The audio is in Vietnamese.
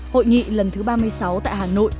hội nghị lần thứ ba mươi sáu tại hà nội